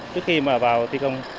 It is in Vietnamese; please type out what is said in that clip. trước khi vào thi công